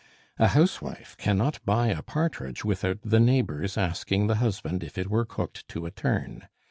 A housewife cannot buy a partridge without the neighbors asking the husband if it were cooked to a turn.